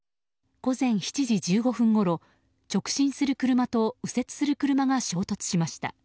午前７時１５分ごろ直進する車と右折する車が衝突しました。